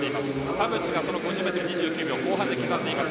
田渕が２９秒後半で刻んでいます。